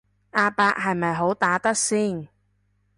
阿伯係咪好打得先